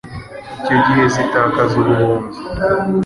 Icyo gihe zitakaza ubuhunzi,